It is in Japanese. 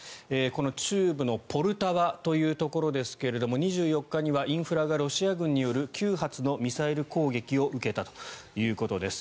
この中部のポルタワというところですけれども２４日にはインフラがロシア軍による９発のミサイル攻撃を受けたということです。